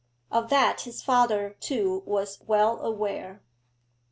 Of that his father too was well aware.